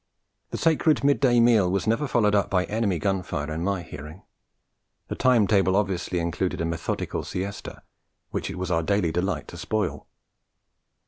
The sacred mid day meal was never followed up by enemy gun fire in my hearing; the time table obviously included a methodical siesta, which it was our daily delight to spoil.